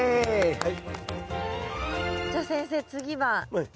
はい。